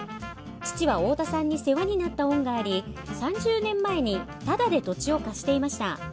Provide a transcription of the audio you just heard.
父は太田さんに世話になった恩があり３０年前にタダで土地を貸していました。